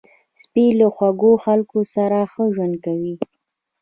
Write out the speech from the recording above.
سپي له خوږو خلکو سره ښه ژوند کوي.